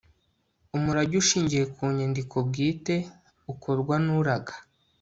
umurage ushingiye ku nyandiko bwite ukorwa n'uraga